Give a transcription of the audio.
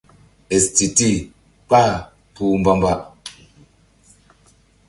Éstitil kpah kpuh mbamba.